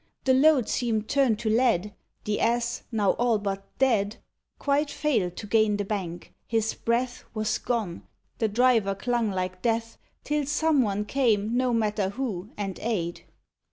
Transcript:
The load seemed turned to lead; The Ass, now all but dead, Quite failed to gain the bank: his breath Was gone: the driver clung like death Till some one came, no matter who, and aid.